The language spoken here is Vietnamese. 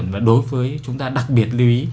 và đối với chúng ta đặc biệt lưu ý